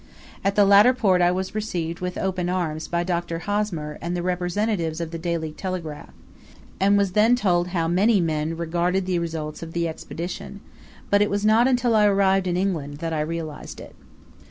At the latter port I was received with open arms by Dr. Hosmer and the representative of the 'Daily Telegraph,' and was then told how men regarded the results of the Expedition; but it was not until I arrived in England that I realised it.